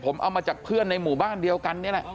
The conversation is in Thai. ผมเอามาจากเพื่อนในหมู่บ้านเดียวกันนี่แหละ